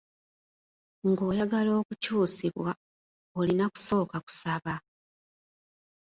Ng'oyagala okukyusibwa, olina kusooka kusaba.